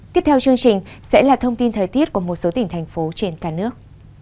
tiếp theo chương trình sẽ là thông tin thời tiết của một số tỉnh thành phố trên cả nước